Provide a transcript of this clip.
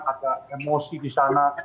ada emosi di sana